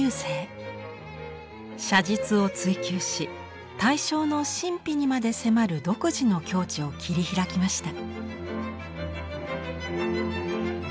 写実を追求し対象の神秘にまで迫る独自の境地を切り開きました。